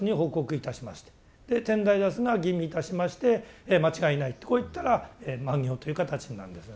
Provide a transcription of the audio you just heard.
で天台座主が吟味いたしまして間違いないとこう言ったら満行という形になるんです。